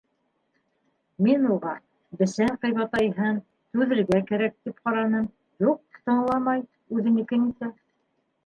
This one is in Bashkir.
Мин уға, бесән ҡыйбатайһын, түҙергә кәрәк, тип ҡараным, юҡ тыңламай, үҙенекен итә.